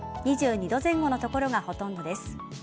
２２度前後の所がほとんどです。